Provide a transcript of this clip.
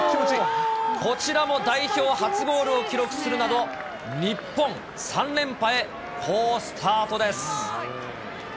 こちらも代表初ゴールを記録するなど、日本３連覇へ、好スタートです。